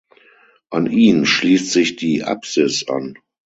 An ihn schließt sich die Apsis an.